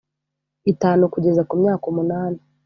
itanu kugeza ku myaka umunani